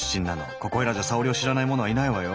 ここいらじゃさおりを知らない者はいないわよ。